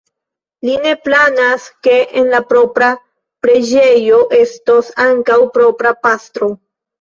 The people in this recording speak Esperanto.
Li ne planas, ke en la propra preĝejo estos ankaŭ propra pastro.